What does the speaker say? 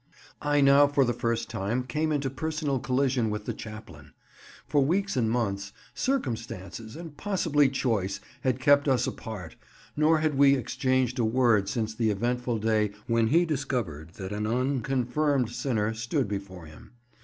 I now for the first time came into personal collision with the chaplain. For weeks and months circumstances, and possibly choice, had kept us apart, nor had we exchanged a word since the eventful day when he discovered that an "unconfirmed" sinner stood before him.